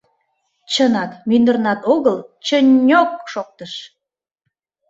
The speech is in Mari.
Чынак, мӱндырнат огыл, чы-ньо-ок шоктыш.